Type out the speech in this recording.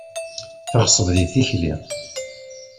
Teɣṣeb di tikli.